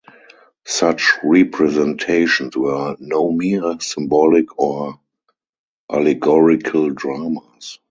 Such representations were no mere symbolic or allegorical dramas.